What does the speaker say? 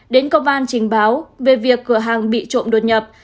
đến công an trình báo về việc cửa hàng bị trộm đột nhập